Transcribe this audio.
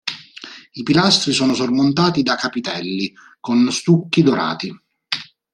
I pilastri sono sormontati da capitelli con stucchi dorati.